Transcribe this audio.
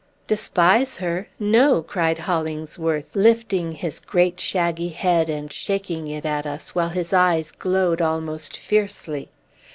"Despise her? No!" cried Hollingsworth, lifting his great shaggy head and shaking it at us, while his eyes glowed almost fiercely.